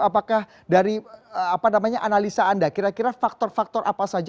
apakah dari analisa anda kira kira faktor faktor apa saja